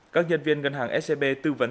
các nhân viên ngân hàng scb tư vấn